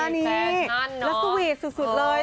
นี่แล้วสวีทสุดเลย